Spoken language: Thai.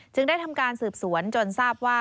ได้ทำการสืบสวนจนทราบว่า